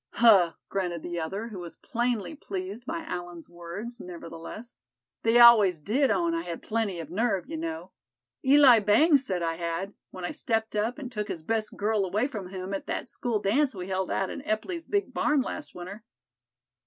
"Huh!" grunted the other, who was plainly pleased by Allan's words nevertheless; "they always did own I had plenty of nerve, you know. Eli Bangs said I had, when I stepped up and took his best girl away from him at that school dance we held out in Epply's big barn last winter."